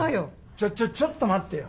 ちょっちょっちょっと待ってよ。